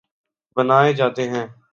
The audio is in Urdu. بنائے جاتے ہیں